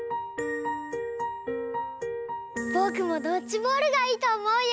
ぼくもドッジボールがいいとおもうよ！